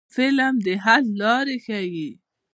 فلم د حل لارې ښيي